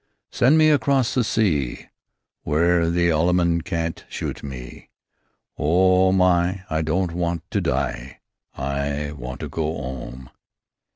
Send me across the sea W'ere the Allemand can't shoot me. Oh, my! I don't want to die! I want to go 'ome!"